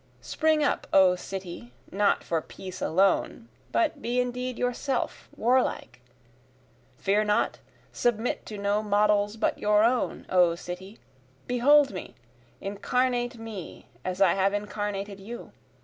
Spring up O city not for peace alone, but be indeed yourself, warlike! Fear not submit to no models but your own O city! Behold me incarnate me as I have incarnated you!